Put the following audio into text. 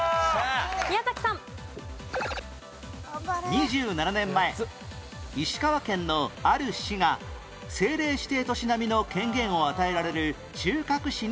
２７年前石川県のある市が政令指定都市並みの権限を与えられる中核市に選出